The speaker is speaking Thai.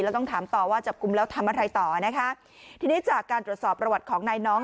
แล้วต้องถามต่อว่าจับกลุ่มแล้วทำอะไรต่อนะคะทีนี้จากการตรวจสอบประวัติของนายน้อง